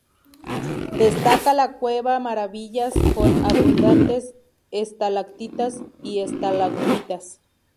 Destaca la "cueva maravillas", con abundantes estalactitas y estalagmitas.